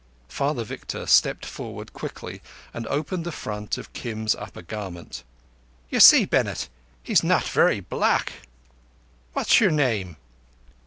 Father Victor stepped forward quickly and opened the front of Kim's upper garment. "You see, Bennett, he's not very black. What's your name?"